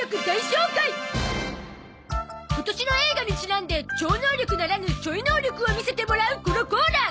今年の映画にちなんで超能力ならぬちょい能力を見せてもらうこのコーナー